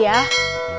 sampai jumpa lagi